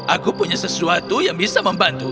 aku punya sesuatu yang bisa membantu